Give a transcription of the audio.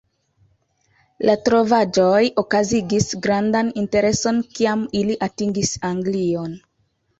La trovaĵoj okazigis grandan intereson kiam ili atingis Anglion.